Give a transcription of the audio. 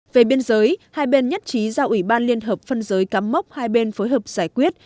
về biên giới hai bên nhất trí giao ủy ban liên hợp phân giới cắm mốc hai bên phối hợp giải quyết